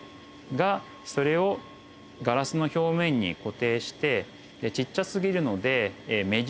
がそれをガラスの表面に固定してちっちゃすぎるので目印をくっつけます。